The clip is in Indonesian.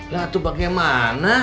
ya itu bagaimana